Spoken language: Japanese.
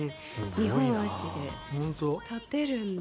２本足で立てるんだ。